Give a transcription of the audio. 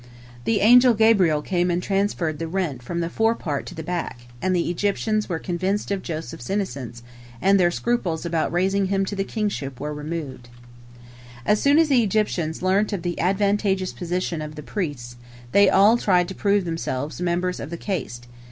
The angel Gabriel came and transferred the rent from the fore part to the back, and the Egyptians were convinced of Joseph's innocence, and their scruples about raising him to the kingship were removed. As soon as the Egyptians learnt of the advantageous position of the priests, they all tried to prove themselves members of the caste.